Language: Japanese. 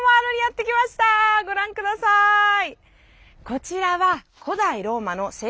ご覧下さい。